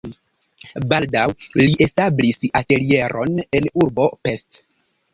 Baldaŭ li establis atelieron en urbo Pest.